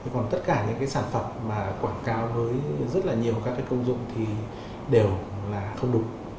còn tất cả những sản phẩm mà quảng cáo với rất là nhiều các công dụng thì đều là không đúng